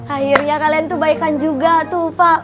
akhirnya kalian tuh baikan juga tuh pak